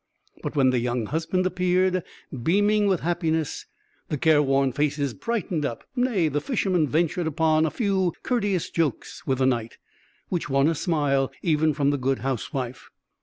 But when the young husband appeared, beaming with happiness, the care worn faces brightened up; nay, the Fisherman ventured upon a few courteous jokes with the Knight, which won a smile even from the good housewife.